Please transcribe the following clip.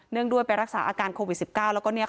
เนื่องด้วยรักษาโควิด๑๙